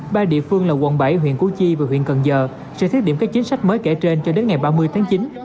ba địa phương là quận bảy huyện củ chi và huyện cần giờ sẽ thiết điểm các chính sách mới kể trên cho đến ngày ba mươi tháng chín